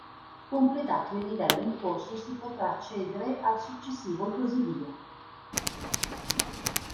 Completato il livello in corso si potrà accedere al successivo e così via.